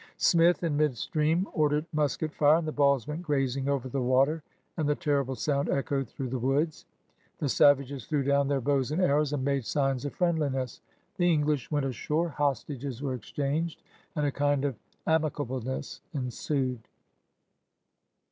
'' Smith, m midstream, ordered musket fire, and the balls went grazing over the water, and the terrible soimd echoed through the woods. The savages threw down their bows and arrows land made signs of friendliness. The English went ashore, hostages were exchanged. JOHN SMITH 51 and a kind of amicableness ensued.